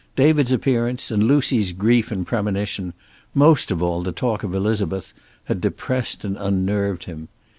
David's appearance and Lucy's grief and premonition, most of all the talk of Elizabeth, had depressed and unnerved him.